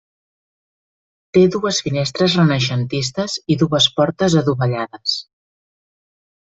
Té dues finestres renaixentistes i dues portes adovellades.